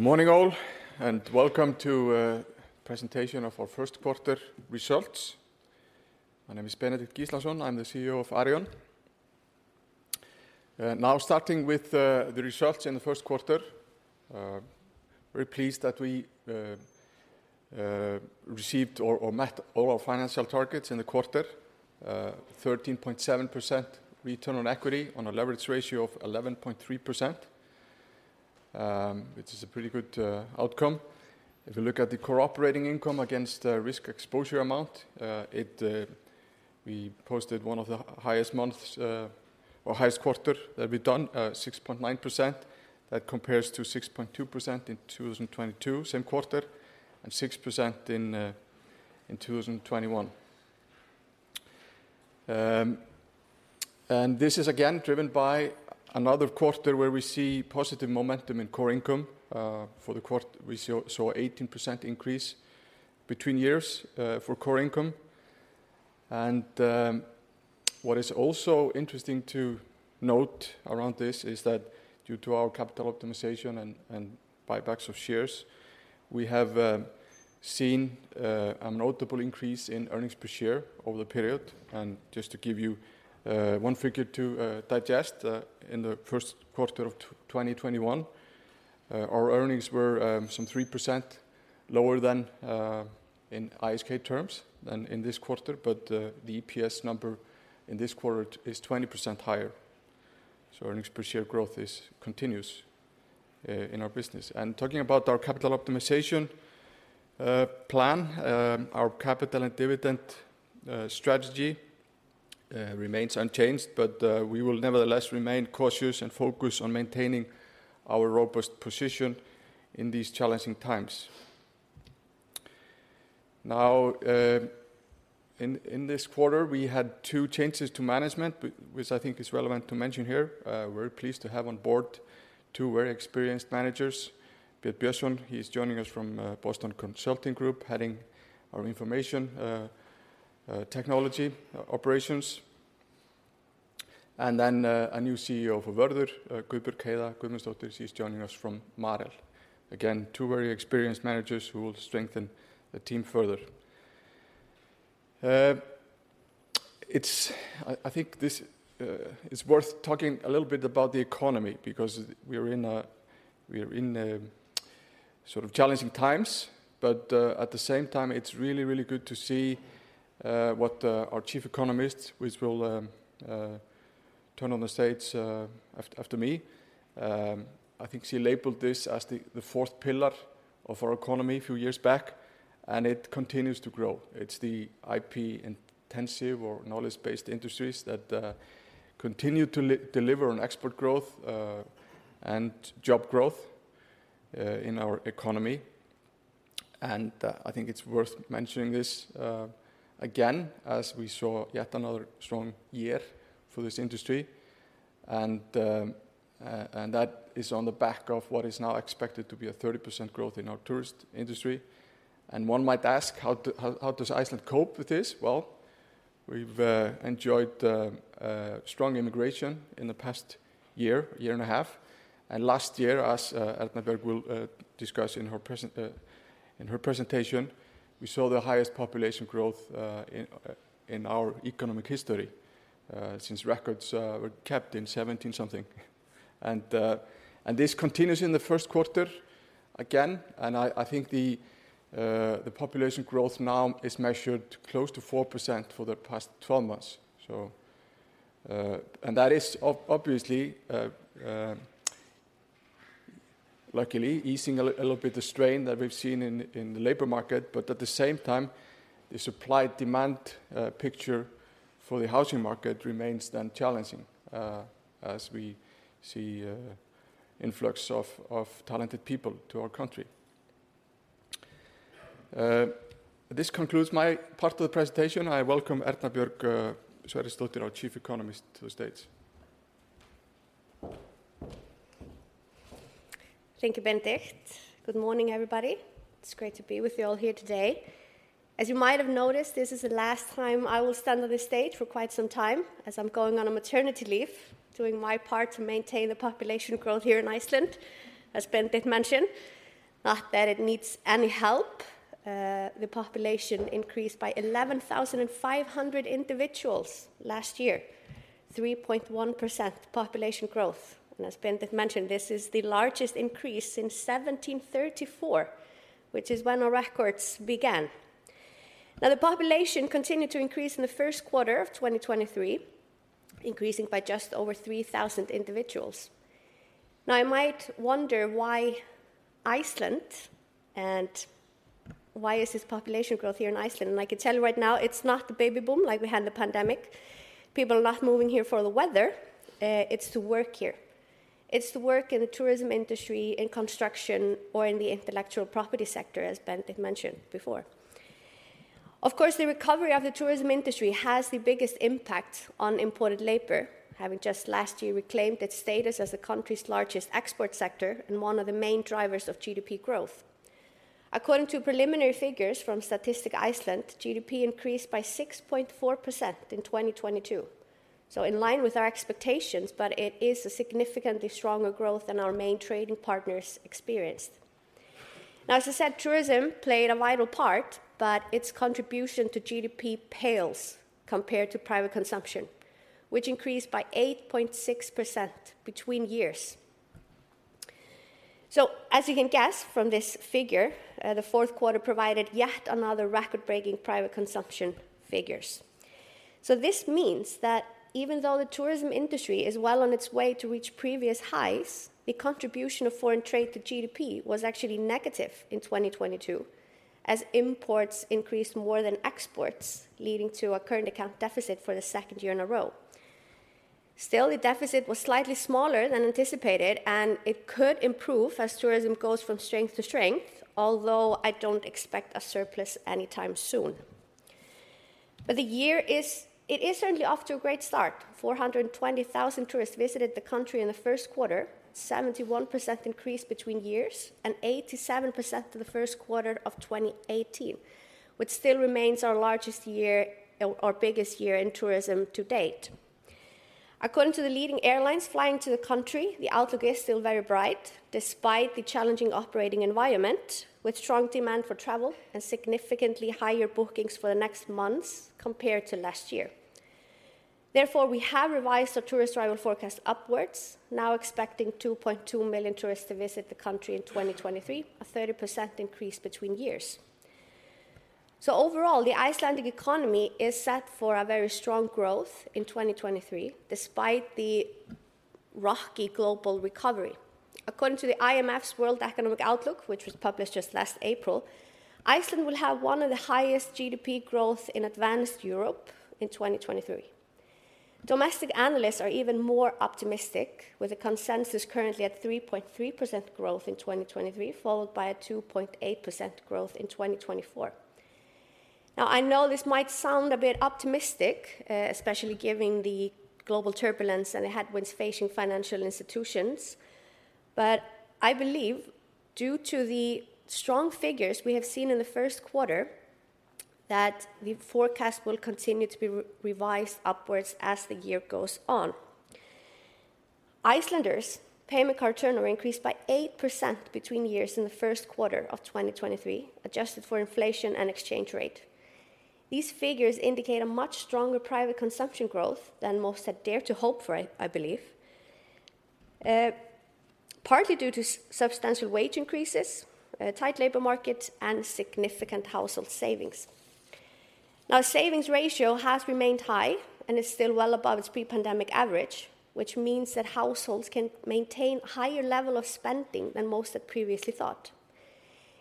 Good morning all, and welcome to presentation of our Q1 results. My name is Benedikt Gíslason, I'm the CEO of Arion. Now starting with the results in the Q1. Very pleased that we received or met all our financial targets in the quarter. 13.7% return on equity on a leverage ratio of 11.3%, which is a pretty good outcome. If you look at the operating income against risk exposure amount, we posted one of the highest months or highest quarter that we've done, 6.9%. That compares to 6.2% in 2022, same quarter, and 6% in 2021. This is again driven by another quarter where we see positive momentum in core income. For the quarter we saw 18% increase between years for core income. What is also interesting to note around this is that due to our capital optimization and buybacks of shares, we have seen a notable increase in earnings per share over the period. Just to give you 1 figure to digest, in the Q1 of 2021, our earnings were some 3% lower than in ISK terms than in this quarter, the EPS number in this quarter is 20% higher. Earnings per share growth is continuous in our business. Talking about our capital optimization plan, our capital and dividend strategy remains unchanged, we will nevertheless remain cautious and focused on maintaining our robust position in these challenging times. In this quarter, we had two changes to management, which I think is relevant to mention here. We're pleased to have on board two very experienced managers. Pétur Arnalds, he's joining us from Boston Consulting Group, heading our information technology operations. A new CEO for Vörður, Guðbjörg Heiða Guðmundsdóttir, she's joining us from Marel. Again, two very experienced managers who will strengthen the team further. I think this is worth talking a little bit about the economy because we're in a sort of challenging times. At the same time, it's really, really good to see what our chief economist, which will turn on the stage after me. I think she labeled this as the fourth pillar of our economy a few years back, and it continues to grow. It's the IP-intensive or knowledge-based industries that continue to deliver on export growth and job growth in our economy. I think it's worth mentioning this again, as we saw yet another strong year for this industry. That is on the back of what is now expected to be a 30% growth in our tourist industry. One might ask, "How does Iceland cope with this?" Well, we've enjoyed strong immigration in the past year and a half. Last year, as Erna Björg will discuss in her presentation, we saw the highest population growth in our economic history, since records were kept in seventeen something. This continues in the Q1 again, and I think the population growth now is measured close to 4% for the past 12 months. That is obviously luckily easing a little bit the strain that we've seen in the labor market, but at the same time, the supply-demand picture for the housing market remains then challenging, as we see influx of talented people to our country. This concludes my part of the presentation. I welcome Erna Björg Sverrisdóttir, our Chief Economist, to the stage. Thank you, Benedikt. Good morning, everybody. It's great to be with you all here today. As you might have noticed, this is the last time I will stand on this stage for quite some time, as I'm going on a maternity leave, doing my part to maintain the population growth here in Iceland, as Benedikt mentioned. Not that it needs any help. The population increased by 11,500 individuals last year, 3.1% population growth. As Benedikt mentioned, this is the largest increase since 1734, which is when our records began. The population continued to increase in the Q1 of 2023, increasing by just over 3,000 individuals. You might wonder why Iceland, and why is this population growth here in Iceland? I can tell you right now, it's not the baby boom like we had in the pandemic. People are not moving here for the weather. It's to work here. It's to work in the tourism industry, in construction, or in the intellectual property sector, as Benedikt mentioned before. The recovery of the tourism industry has the biggest impact on imported labor, having just last year reclaimed its status as the country's largest export sector and one of the main drivers of GDP growth. According to preliminary figures from Statistics Iceland, GDP increased by 6.4% in 2022. In line with our expectations, but it is a significantly stronger growth than our main trading partners experienced. As I said, tourism played a vital part, but its contribution to GDP pales compared to private consumption, which increased by 8.6% between years. As you can guess from this figure, the fourth quarter provided yet another record-breaking private consumption figures. This means that even though the tourism industry is well on its way to reach previous highs, the contribution of foreign trade to GDP was actually negative in 2022 as imports increased more than exports, leading to a current account deficit for the second year in a row. The deficit was slightly smaller than anticipated, and it could improve as tourism goes from strength to strength, although I don't expect a surplus anytime soon. The year is certainly off to a great start. 420,000 tourists visited the country in the Q1, 71% increase between years, and 87% to the Q1 of 2018, which still remains our largest year or biggest year in tourism to date. According to the leading airlines flying to the country, the outlook is still very bright despite the challenging operating environment, with strong demand for travel and significantly higher bookings for the next months compared to last year. We have revised our tourist arrival forecast upwards, now expecting 2.2 million tourists to visit the country in 2023, a 30% increase between years. Overall, the Icelandic economy is set for a very strong growth in 2023 despite the rocky global recovery. According to the IMF's World Economic Outlook, which was published just last April, Iceland will have one of the highest GDP growth in advanced Europe in 2023. Domestic analysts are even more optimistic, with the consensus currently at 3.3% growth in 2023, followed by a 2.8% growth in 2024. I know this might sound a bit optimistic, especially given the global turbulence and the headwinds facing financial institutions, but I believe due to the strong figures we have seen in the Q1, that the forecast will continue to be re-revised upwards as the year goes on. Icelanders payment card turnover increased by 8% between years in the Q1 of 2023, adjusted for inflation and exchange rate. These figures indicate a much stronger private consumption growth than most had dared to hope for, I believe. Partly due to substantial wage increases, a tight labor market, and significant household savings. Savings ratio has remained high and is still well above its pre-pandemic average, which means that households can maintain higher level of spending than most had previously thought.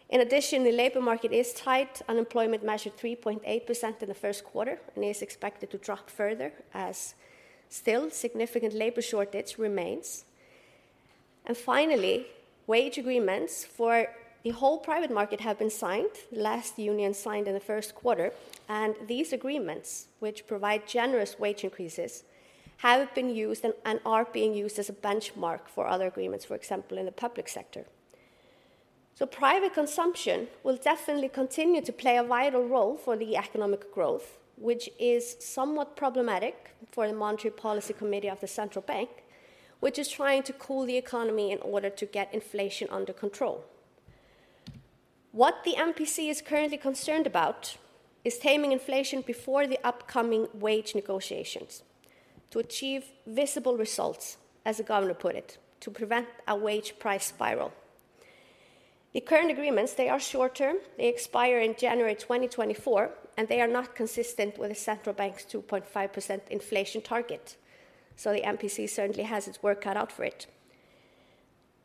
In addition, the labor market is tight. Unemployment measured 3.8% in the Q1 and is expected to drop further as still significant labor shortage remains. Finally, wage agreements for the whole private market have been signed. The last union signed in the Q1, and these agreements, which provide generous wage increases, have been used and are being used as a benchmark for other agreements, for example, in the public sector. Private consumption will definitely continue to play a vital role for the economic growth, which is somewhat problematic for the Monetary Policy Committee of the Central Bank, which is trying to cool the economy in order to get inflation under control. What the MPC is currently concerned about is taming inflation before the upcoming wage negotiations to achieve visible results, as the governor put it, to prevent a wage-price spiral. The current agreements, they are short-term. They expire in January 2024, and they are not consistent with the Central Bank's 2.5% inflation target, so the MPC certainly has its work cut out for it.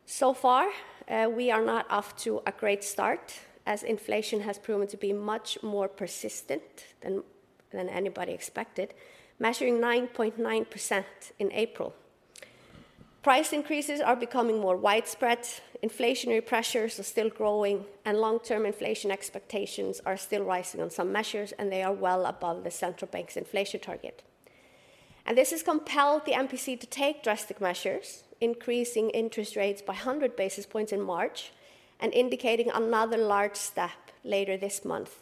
So far, we are not off to a great start as inflation has proven to be much more persistent than anybody expected, measuring 9.9% in April. Price increases are becoming more widespread, inflationary pressures are still growing, and long-term inflation expectations are still rising on some measures, and they are well above the Central Bank's inflation target. This has compelled the MPC to take drastic measures, increasing interest rates by 100 basis points in March and indicating another large step later this month,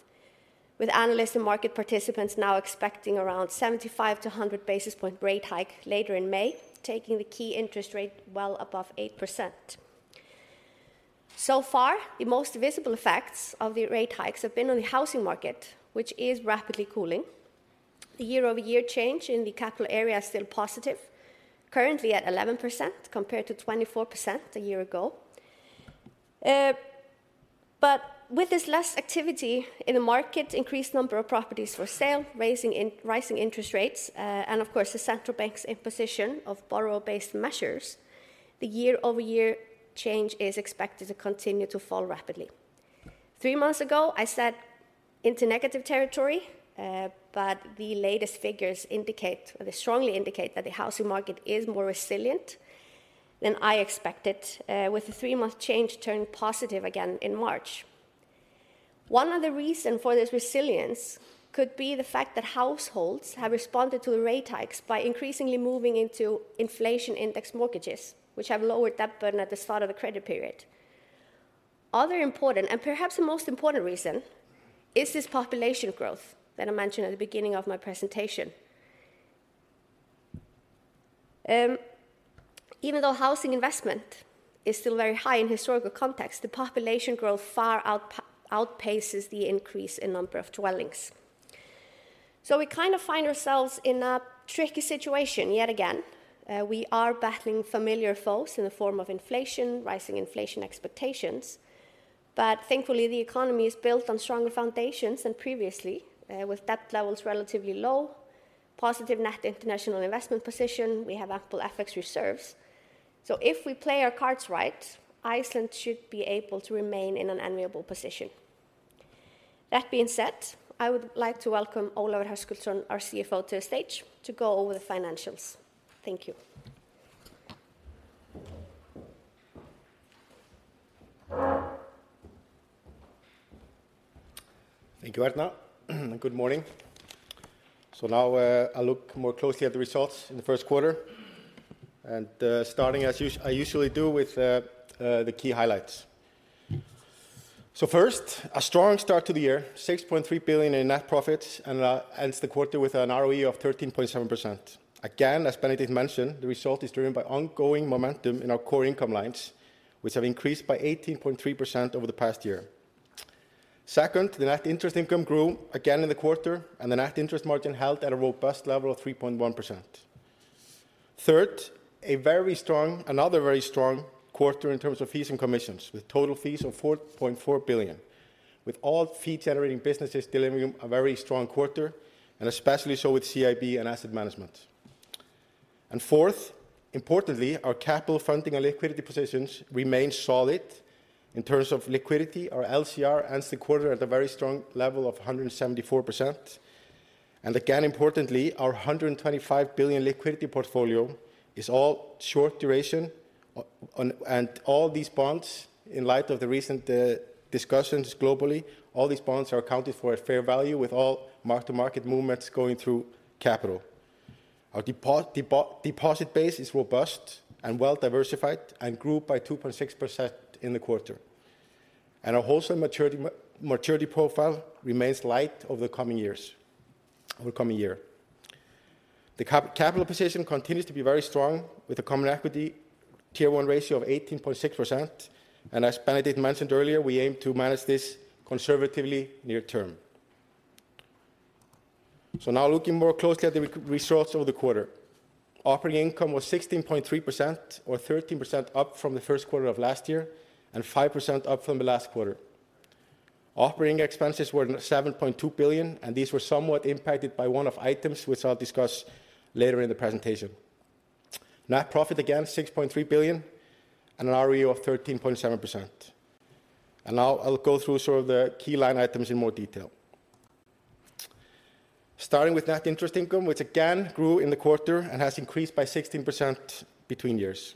with analysts and market participants now expecting around 75-100 basis point rate hike later in May, taking the key interest rate well above 8%. Far, the most visible effects of the rate hikes have been on the housing market, which is rapidly cooling. The year-over-year change in the capital area is still positive, currently at 11% compared to 24% a year ago. But with this less activity in the market, increased number of properties for sale, rising interest rates, and of course, the Central Bank's imposition of borrower-based measures, the year-over-year change is expected to continue to fall rapidly. Three months ago, I said into negative territory, the latest figures indicate, or they strongly indicate that the housing market is more resilient than I expected, with the three-month change turning positive again in March. One of the reason for this resilience could be the fact that households have responded to the rate hikes by increasingly moving into inflation index mortgages, which have lowered that burden at the start of the credit period. Other important, and perhaps the most important reason, is this population growth that I mentioned at the beginning of my presentation. Even though housing investment is still very high in historical context, the population growth far outpaces the increase in number of dwellings. We kind of find ourselves in a tricky situation yet again. We are battling familiar foes in the form of inflation, rising inflation expectations, but thankfully the economy is built on stronger foundations than previously, with debt levels relatively low, positive net international investment position, we have ample FX reserves. If we play our cards right, Iceland should be able to remain in an enviable position. That being said, I would like to welcome Ólafur Hrafn Höskuldsson, our CFO, to the stage to go over the financials. Thank you. Thank you, Erna. Good morning. I look more closely at the results in the Q1 and starting as I usually do with the key highlights. First, a strong start to the year, 6.3 billion in net profits and ends the quarter with an ROE of 13.7%. Again, as Benedikt mentioned, the result is driven by ongoing momentum in our core income lines, which have increased by 18.3% over the past year. Second, the net interest income grew again in the quarter, and the net interest margin held at a robust level of 3.1%. Third, another very strong quarter in terms of fees and commissions, with total fees of 4.4 billion, with all fee-generating businesses delivering a very strong quarter, especially so with CIB and Asset Management. Fourth, importantly, our capital funding and liquidity positions remain solid. In terms of liquidity, our LCR ends the quarter at a very strong level of 174%. Again, importantly, our 125 billion liquidity portfolio is all short duration. All these bonds, in light of the recent discussions globally, all these bonds are accounted for at fair value, with all mark-to-market movements going through capital. Our deposit base is robust and well-diversified and grew by 2.6% in the quarter. Our wholesale maturity profile remains light over coming year. The capital position continues to be very strong, with a Common Equity Tier 1 ratio of 18.6%. As Benedikt mentioned earlier, we aim to manage this conservatively near term. Now looking more closely at the results over the quarter. Operating income was 16.3%, or 13% up from the Q1 of last year, and 5% up from the last quarter. Operating expenses were 7.2 billion, these were somewhat impacted by one-off items which I'll discuss later in the presentation. Net profit, again, 6.3 billion, an ROE of 13.7%. Now I'll go through sort of the key line items in more detail. Starting with Net interest income, which again grew in the quarter and has increased by 16% between years.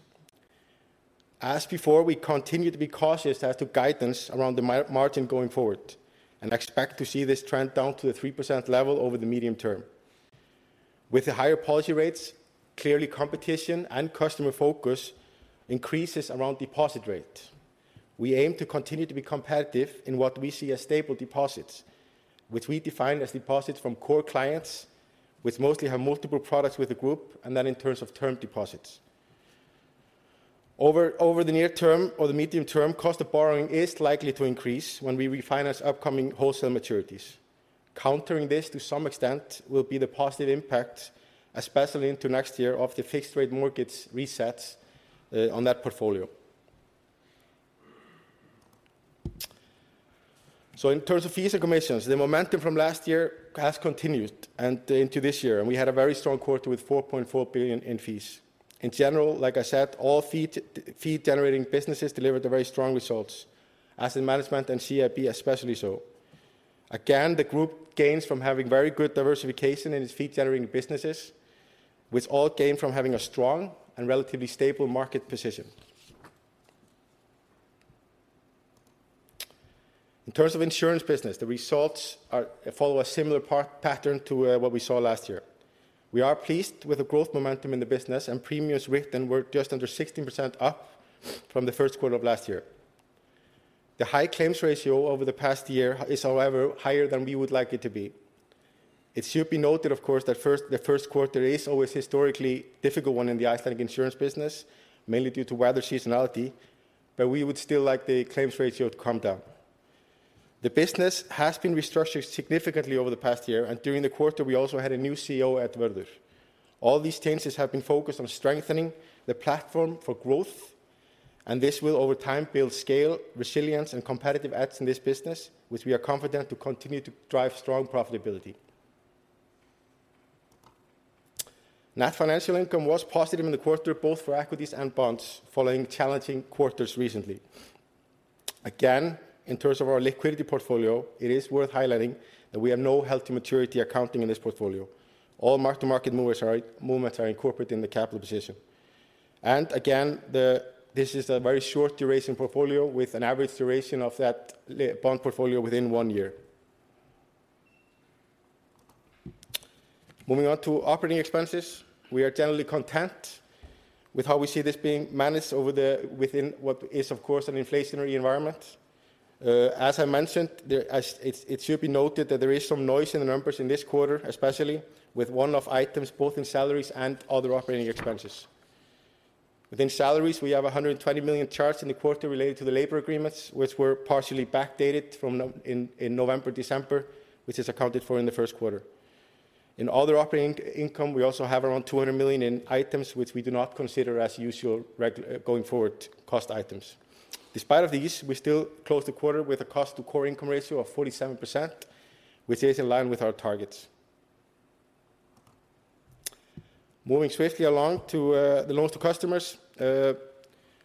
As before, we continue to be cautious as to guidance around the margin going forward and expect to see this trend down to the 3% level over the medium term. With the higher policy rates, clearly competition and customer focus increases around deposit rate. We aim to continue to be competitive in what we see as stable deposits, which we define as deposits from core clients, which mostly have multiple products with the group, and then in terms of term deposits. Over the near term or the medium term, cost of borrowing is likely to increase when we refinance upcoming wholesale maturities. Countering this to some extent will be the positive impact, especially into next year, of the fixed rate mortgage resets on that portfolio. In terms of fees and commissions, the momentum from last year has continued and into this year, and we had a very strong quarter with 4.4 billion in fees. In general, like I said, all fee-generating businesses delivered very strong results. Asset Management and CIB especially so. The group gains from having very good diversification in its fee-generating businesses, which all came from having a strong and relatively stable market position. In terms of insurance business, the results follow a similar pattern to what we saw last year. We are pleased with the growth momentum in the business, and premiums written were just under 16% up from the Q1 of last year. The high claims ratio over the past year is, however, higher than we would like it to be. It should be noted, of course, that the Q1 is always historically a difficult one in the Icelandic insurance business, mainly due to weather seasonality, but we would still like the claims ratio to come down. The business has been restructured significantly over the past year, and during the quarter, we also had a new CEO at Vörður. All these changes have been focused on strengthening the platform for growth. This will, over time, build scale, resilience, and competitive edge in this business, which we are confident to continue to drive strong profitability. Net financial income was positive in the quarter, both for equities and bonds, following challenging quarters recently. In terms of our liquidity portfolio, it is worth highlighting that we have no held-to-maturity accounting in this portfolio. All mark-to-market movers movements are incorporated in the capital position. Again, the, this is a very short duration portfolio with an average duration of that bond portfolio within one year. Moving on to operating expenses, we are generally content with how we see this being managed within what is of course an inflationary environment. As I mentioned, it should be noted that there is some noise in the numbers in this quarter, especially with one-off items both in salaries and other operating expenses. Within salaries, we have 120 million charged in the quarter related to the labor agreements, which were partially backdated from November, December, which is accounted for in the Q1. In other operating income, we also have around 200 million in items which we do not consider as usual going forward cost items. Despite of these, we still close the quarter with a cost-to-core income ratio of 47%, which is in line with our targets. Moving swiftly along to the loans to customers,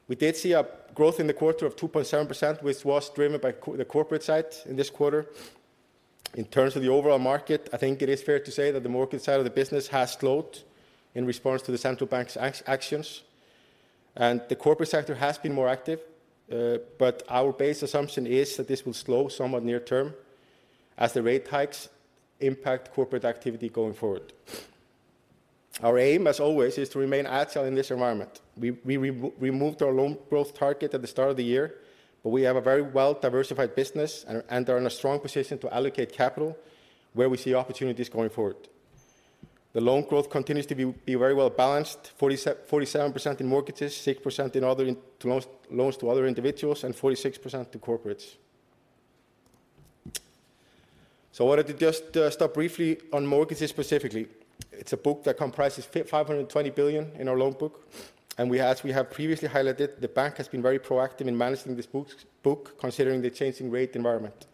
we did see a growth in the quarter of 2.7%, which was driven by the corporate side in this quarter. In terms of the overall market, I think it is fair to say that the mortgage side of the business has slowed in response to the central bank's actions. The corporate sector has been more active. Our base assumption is that this will slow somewhat near term as the rate hikes impact corporate activity going forward. Our aim, as always, is to remain agile in this environment. We moved our loan growth target at the start of the year. We have a very well-diversified business and are in a strong position to allocate capital where we see opportunities going forward. The loan growth continues to be very well-balanced, 47% in mortgages, 6% in other loans to other individuals, and 46% to corporates. I wanted to just stop briefly on mortgages specifically. It's a book that comprises 520 billion in our loan book, and we have previously highlighted, the bank has been very proactive in managing this book considering the changing rate environment.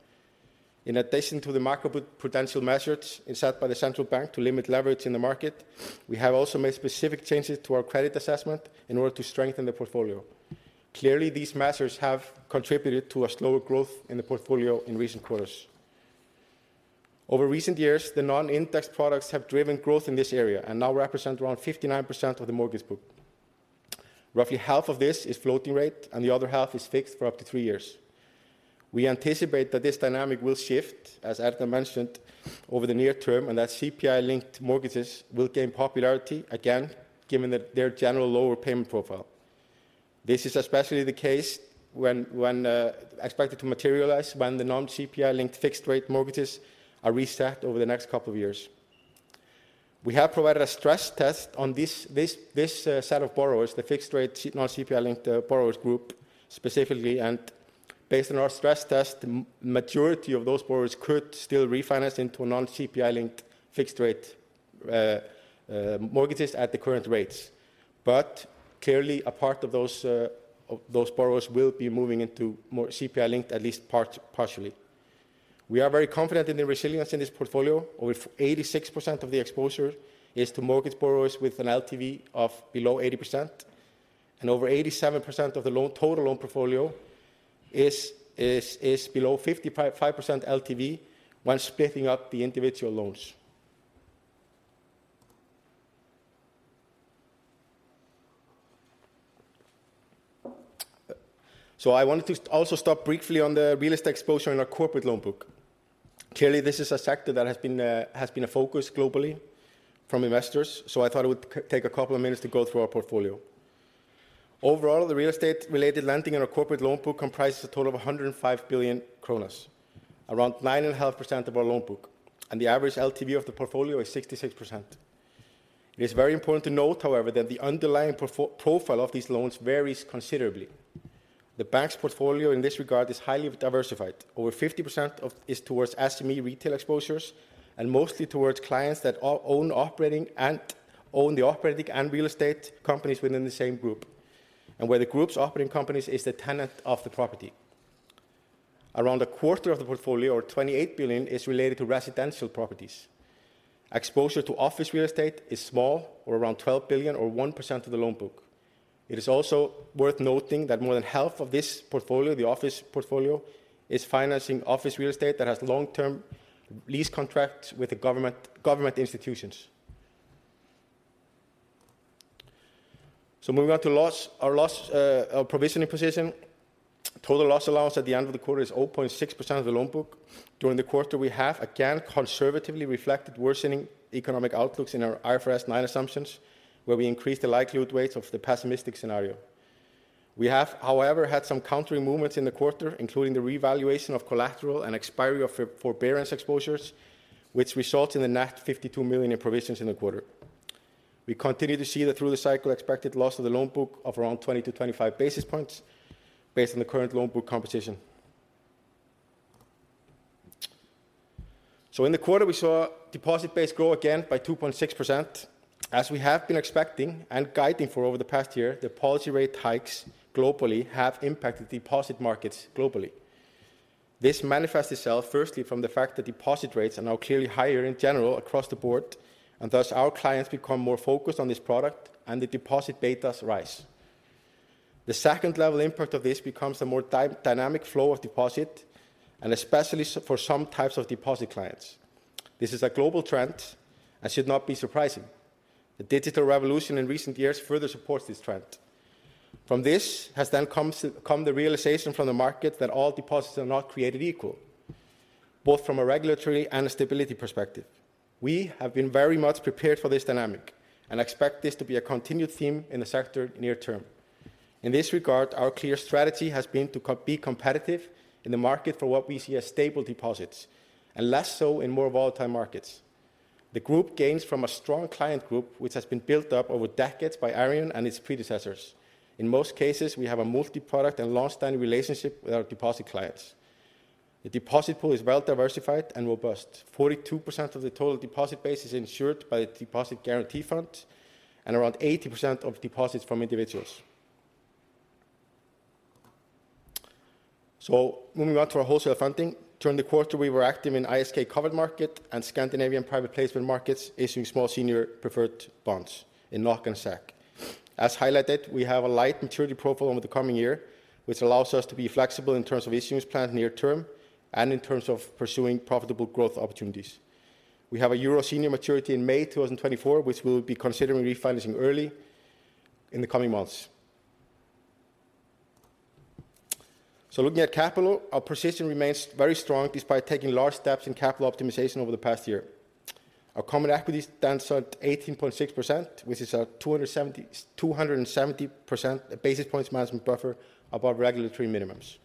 In addition to the macroprudential measures set by the central bank to limit leverage in the market, we have also made specific changes to our credit assessment in order to strengthen the portfolio. Clearly, these measures have contributed to a slower growth in the portfolio in recent quarters. Over recent years, the non-index products have driven growth in this area and now represent around 59% of the mortgage book. Roughly half of this is floating rate, and the other half is fixed for up to three years. We anticipate that this dynamic will shift, as Erna mentioned, over the near term, and that CPI-linked mortgages will gain popularity again, given that their general lower payment profile. This is especially the case when expected to materialize when the non-CPI-linked fixed-rate mortgages are reset over the next couple of years. We have provided a stress test on this set of borrowers, the fixed-rate non-CPI-linked borrowers group specifically. Based on our stress test, majority of those borrowers could still refinance into a non-CPI-linked fixed-rate mortgages at the current rates. Clearly a part of those of those borrowers will be moving into more CPI-linked at least partially. We are very confident in the resilience in this portfolio. Over 86% of the exposure is to mortgage borrowers with an LTV of below 80%, and over 87% of the total loan portfolio is below 55% LTV when splitting up the individual loans. I wanted to also stop briefly on the real estate exposure in our corporate loan book. Clearly, this is a sector that has been a focus globally from investors, so I thought it would take two minutes to go through our portfolio. Overall, the real estate-related lending in our corporate loan book comprises a total of 105 billion kronur, around 9.5% of our loan book, and the average LTV of the portfolio is 66%. It is very important to note, however, that the underlying profile of these loans varies considerably. The bank's portfolio in this regard is highly diversified. Over 50% is towards SME retail exposures and mostly towards clients that own operating and own the operating and real estate companies within the same group, and where the group's operating companies is the tenant of the property. Around a quarter of the portfolio, or 28 billion, is related to residential properties. Exposure to office real estate is small or around 12 billion or 1% of the loan book. It is also worth noting that more than half of this portfolio, the office portfolio, is financing office real estate that has long-term lease contracts with the government institutions. Moving on to loss, our loss, our provisioning position, total loss allowance at the end of the quarter is 0.6% of the loan book. During the quarter, we have again conservatively reflected worsening economic outlooks in our IFRS 9 assumptions, where we increased the likelihood weights of the pessimistic scenario. We have, however, had some countering movements in the quarter, including the revaluation of collateral and expiry of forbearance exposures, which result in the net 52 million in provisions in the quarter. We continue to see that through the cycle expected loss of the loan book of around 20-25 basis points based on the current loan book composition. In the quarter, we saw deposit base grow again by 2.6%. As we have been expecting and guiding for over the past year, the policy rate hikes globally have impacted deposit markets globally. This manifests itself firstly from the fact that deposit rates are now clearly higher in general across the board, and thus our clients become more focused on this product and the deposit betas rise. The second level impact of this becomes a more dynamic flow of deposit, and especially for some types of deposit clients. This is a global trend and should not be surprising. The digital revolution in recent years further supports this trend. From this has come the realization from the market that all deposits are not created equal, both from a regulatory and a stability perspective. We have been very much prepared for this dynamic and expect this to be a continued theme in the sector near term. In this regard, our clear strategy has been to be competitive in the market for what we see as stable deposits and less so in more volatile markets. The group gains from a strong client group which has been built up over decades by Arion and its predecessors. In most cases, we have a multi-product and longstanding relationship with our deposit clients. The deposit pool is well diversified and robust. 42% of the total deposit base is insured by Deposit Guarantee Fund and around 80% of deposits from individuals. Moving on to our wholesale funding. During the quarter, we were active in ISK covered market and Scandinavian private placement markets issuing small senior preferred bonds in NOK and SEK. As highlighted, we have a light maturity profile over the coming year, which allows us to be flexible in terms of issuance plans near term and in terms of pursuing profitable growth opportunities. We have a EUR senior maturity in May 2024, which we'll be considering refinancing early in the coming months. Looking at capital, our position remains very strong despite taking large steps in capital optimization over the past year. Our common equity stands at 18.6%, which is a 270 percent basis points management buffer above regulatory minimums.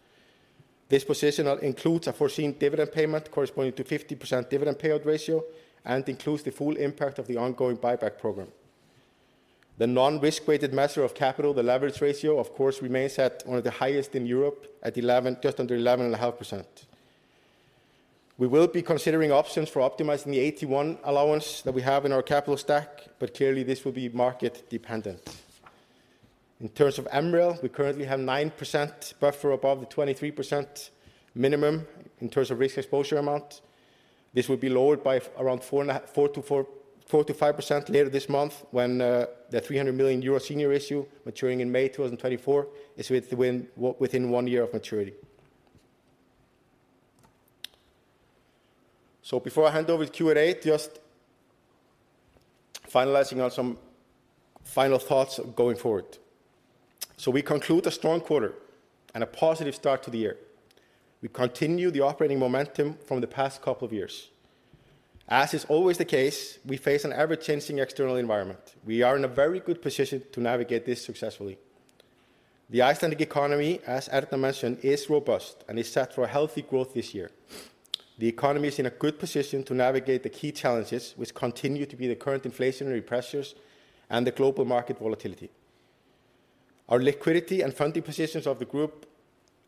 This position includes a foreseen dividend payment corresponding to 50% dividend payout ratio and includes the full impact of the ongoing buyback program. The non-risk weighted measure of capital, the leverage ratio, of course remains at one of the highest in Europe at 11, just under 11.5%. We will be considering options for optimizing the AT1 allowance that we have in our capital stack, clearly this will be market dependent. In terms of MREL, we currently have 9% buffer above the 23% minimum in terms of risk exposure amount. This will be lowered by around 4-5% later this month when the 300 million euro senior issue maturing in May 2024 is within one year of maturity. Before I hand over to Q&A, just finalizing on some final thoughts going forward. We conclude a strong quarter and a positive start to the year. We continue the operating momentum from the past couple of years. As is always the case, we face an ever-changing external environment. We are in a very good position to navigate this successfully. The Icelandic economy, as Erna Björg mentioned, is robust and is set for a healthy growth this year. The economy is in a good position to navigate the key challenges, which continue to be the current inflationary pressures and the global market volatility. Our liquidity and funding positions of the group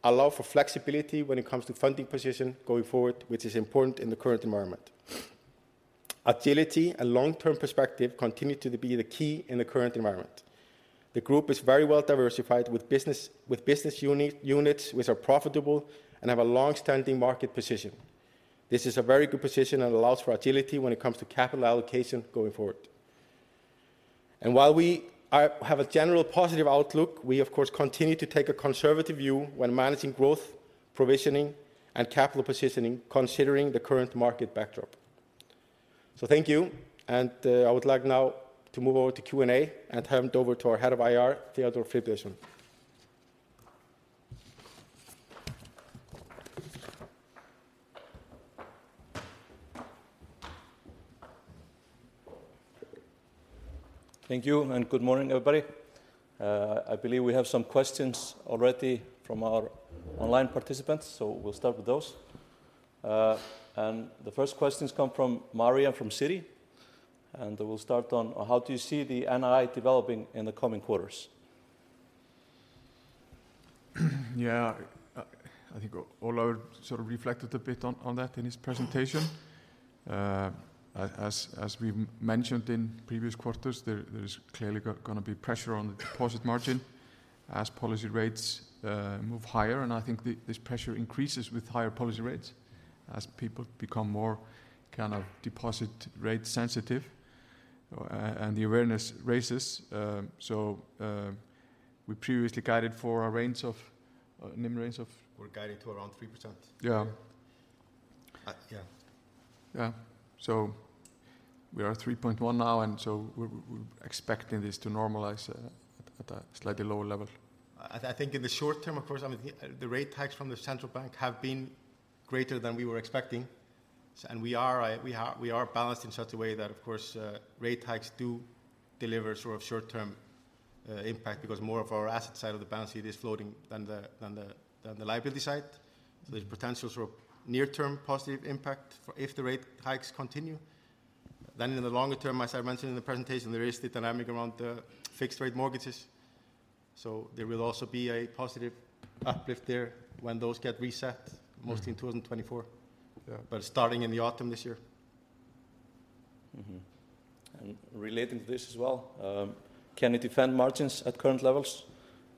allow for flexibility when it comes to funding position going forward, which is important in the current environment. Agility and long-term perspective continue to be the key in the current environment. The group is very well diversified with business units which are profitable and have a long-standing market position. This is a very good position and allows for agility when it comes to capital allocation going forward. While we have a general positive outlook, we of course continue to take a conservative view when managing growth, provisioning, and capital positioning considering the current market backdrop. Thank you, and I would like now to move over to Q&A and hand over to our Head of IR, Theodór Friðbertsson. Thank you and good morning, everybody. I believe we have some questions already from our online participants, so we'll start with those. The first questions come from Maria from Citi, and we'll start on how do you see the NII developing in the coming quarters? Yeah. I think Ólafur sort of reflected a bit on that in his presentation. As we mentioned in previous quarters, there is clearly gonna be pressure on the deposit margin as policy rates move higher, and I think this pressure increases with higher policy rates as people become more kind of deposit rate sensitive, and the awareness raises. We previously guided for a range of NIM range of. We're guided to around 3%. Yeah. Yeah. Yeah. We are at 3.1 now, we're expecting this to normalize at a slightly lower level. I think in the short term, of course, I mean, the rate hikes from the Central Bank have been greater than we were expecting. We are balanced in such a way that, of course, rate hikes do deliver sort of short-term impact because more of our asset side of the balance sheet is floating than the liability side. There's potential sort of near-term positive impact for if the rate hikes continue. In the longer term, as I mentioned in the presentation, there is the dynamic around the fixed rate mortgages. There will also be a positive uplift there when those get reset mostly in 2024. Yeah. Starting in the autumn this year. Relating to this as well, can you defend margins at current levels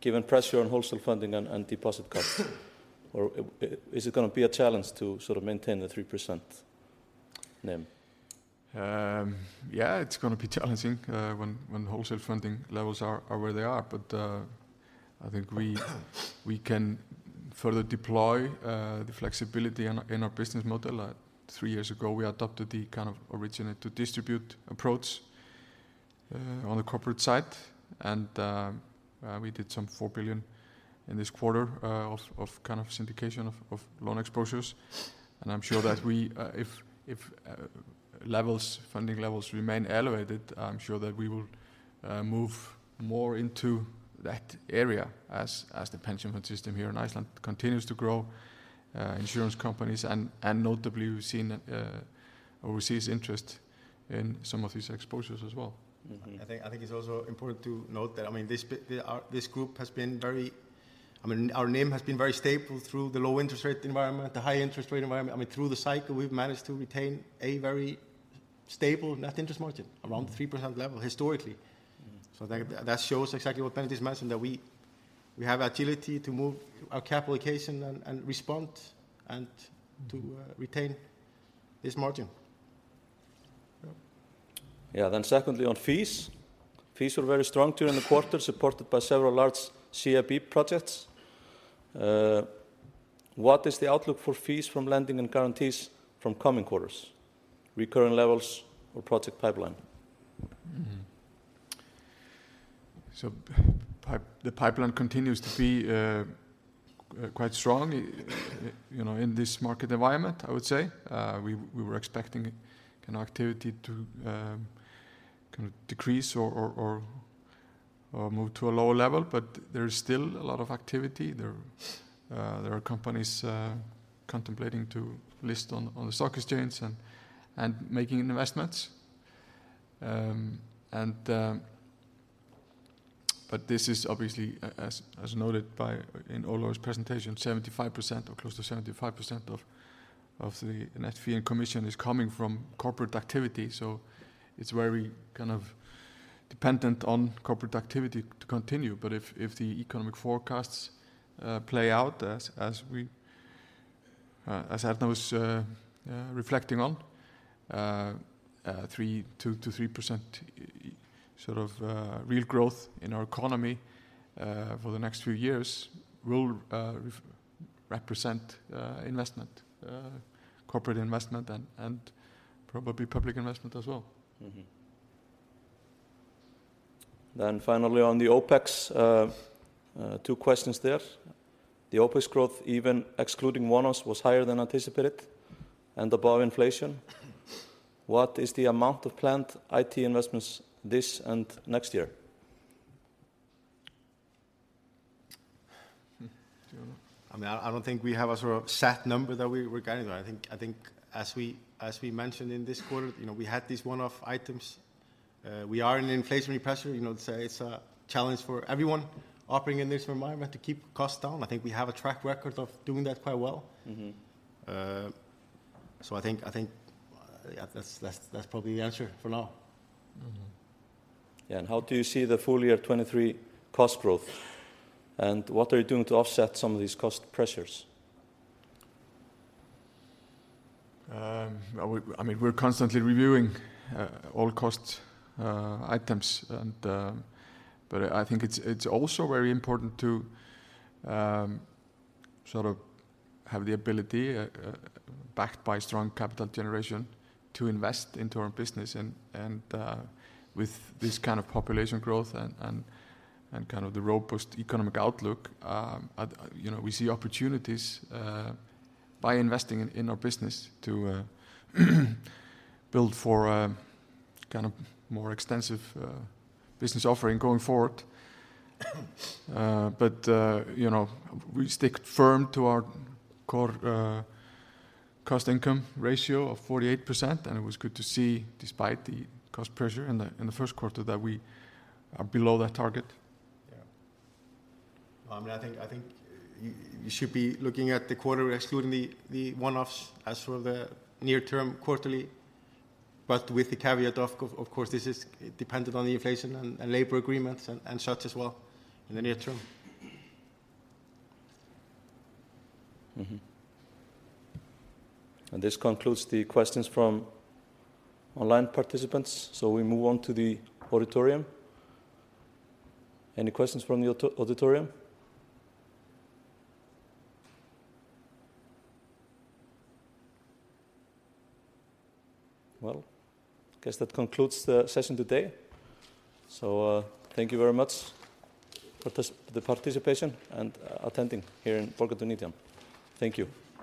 given pressure on wholesale funding and deposit costs? Or is it gonna be a challenge to sort of maintain the 3%? Yeah, it's gonna be challenging when wholesale funding levels are where they are. I think we can further deploy the flexibility in our business model. Three years ago we adopted the kind of originate-to-distribute approach on the corporate side and we did some 4 billion in this quarter of kind of syndication of loan exposures. I'm sure that we if funding levels remain elevated, I'm sure that we will move more into that area as the pension fund system here in Iceland continues to grow, insurance companies and notably we've seen overseas interest in some of these exposures as well. Mm-hmm. I think it's also important to note that, I mean, our NIM has been very stable through the low interest rate environment, the high interest rate environment. I mean, through the cycle we've managed to retain a very stable net interest margin around 3% level historically. Mm-hmm. That shows exactly what Benedikt is mentioning, that we have agility to move our capital allocation and respond and to retain this margin. Yeah. secondly, on fees. Fees were very strong during the quarter supported by several large CIB projects. What is the outlook for fees from lending and guarantees from coming quarters, recurring levels or project pipeline? The pipeline continues to be quite strong, you know, in this market environment, I would say. We were expecting an activity to kind of decrease or move to a lower level, but there is still a lot of activity. There are companies contemplating to list on the stock exchange and making investments. This is obviously as noted by, in Ólafur's presentation, 75% or close to 75% of the net fee and commission is coming from corporate activity. It's very kind of dependent on corporate activity to continue. If the economic forecasts play out as we as Arnar was reflecting on, three, 2-3%, sort of, real growth in our economy, for the next few years will represent investment, corporate investment and probably public investment as well. Mm-hmm. Finally on the OpEx, two questions there. The OpEx growth, even excluding one-offs, was higher than anticipated and above inflation. What is the amount of planned IT investments this and next year? Do you know? I mean, I don't think we have a sort of set number that we're guiding. I think as we mentioned in this quarter, you know, we had these one-off items. We are in an inflationary pressure, you know, it's a challenge for everyone operating in this environment to keep costs down. I think we have a track record of doing that quite well. Mm-hmm. I think, yeah, that's probably the answer for now. Mm-hmm. Yeah. How do you see the full year 2023 cost growth, and what are you doing to offset some of these cost pressures? We, I mean, we're constantly reviewing all cost items. I think it's also very important to sort of have the ability backed by strong capital generation to invest into our business and with this kind of population growth and kind of the robust economic outlook, you know, we see opportunities by investing in our business to build for a kind of more extensive business offering going forward. You know, we stick firm to our core cost income ratio of 48%. It was good to see despite the cost pressure in the Q1 that we are below that target. Yeah. Well, I mean, I think you should be looking at the quarter excluding the one-offs as sort of the near term quarterly, but with the caveat of course this is dependent on the inflation and labor agreements and such as well in the near term. Mm-hmm. This concludes the questions from online participants. We move on to the auditorium. Any questions from the auditorium? Well, I guess that concludes the session today. Thank you very much for this, the participation and attending here in Borgartún 8. Thank you.